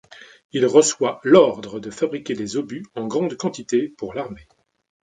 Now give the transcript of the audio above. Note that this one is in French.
Il reçoit l'ordre de fabriquer des obus en grande quantité pour l'armée.